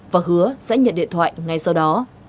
và hứa sẽ nhận điện thoại ngay sau đó